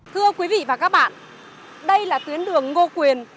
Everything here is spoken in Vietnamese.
thưa quý vị và các bạn đây là tuyến đường ngô quyền